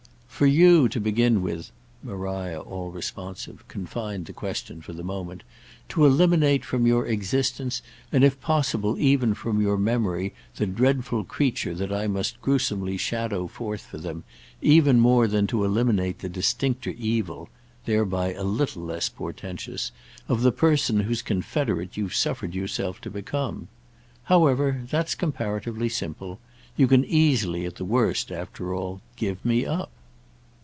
"For you, to begin with"—Maria, all responsive, confined the question for the moment—"to eliminate from your existence and if possible even from your memory the dreadful creature that I must gruesomely shadow forth for them, even more than to eliminate the distincter evil—thereby a little less portentous—of the person whose confederate you've suffered yourself to become. However, that's comparatively simple. You can easily, at the worst, after all, give me up."